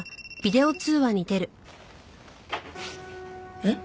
えっ？